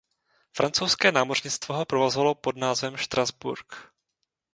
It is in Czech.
Francouzské námořnictvo ho provozovalo pod názvem "Strasbourg".